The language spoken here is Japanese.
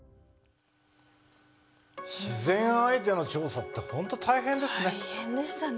自然相手の調査って本当大変ですね。